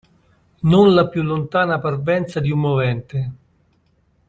Non la più lontana parvenza di un movente.